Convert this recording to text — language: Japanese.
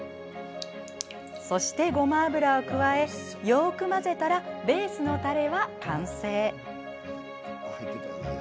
そして、ごま油を加えよく混ぜたらベースのたれは完成。